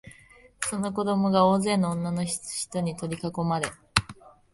その子供が大勢の女のひとに取りかこまれ、